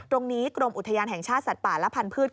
กรมอุทยานแห่งชาติสัตว์ป่าและพันธุ์